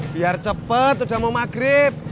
biar cepat udah mau maghrib